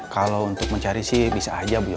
kalau untuk mencari sih bisa aja bu ya